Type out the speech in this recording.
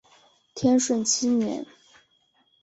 天顺七年。